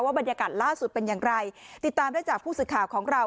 บรรยากาศล่าสุดเป็นอย่างไรติดตามได้จากผู้สื่อข่าวของเรา